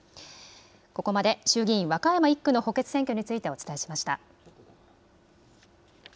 ここまで衆議院和歌山１区の補欠選挙についてお伝えしました。